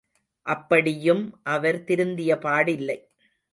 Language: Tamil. அப்படியும் அவர் திருந்தியபாடில்லை.